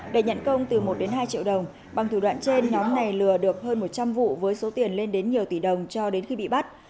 để nhận công từ một đến hai triệu đồng bằng thủ đoạn trên nhóm này lừa được hơn một trăm linh vụ với số tiền lên đến nhiều tỷ đồng cho đến khi bị bắt